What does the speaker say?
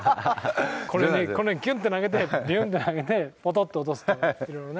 この辺キュンって投げてビュンって投げてポトッと落とすと色々ね。